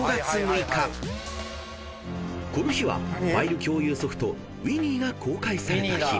［この日はファイル共有ソフトＷｉｎｎｙが公開された日］